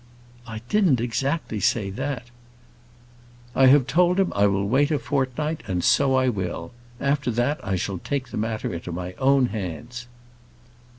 "I didn't exactly say that." "I have told him I will wait a fortnight, and so I will. After that, I shall take the matter into my own hands."